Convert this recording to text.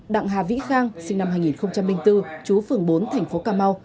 đặng hà vĩ khang sinh năm hai nghìn bốn chú phường bốn thành phố cà mau